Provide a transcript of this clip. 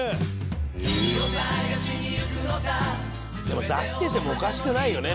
でも出しててもおかしくないよね